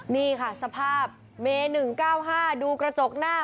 นี่ค่ะสภาพเม๑๙๕ดูกระจกหน้า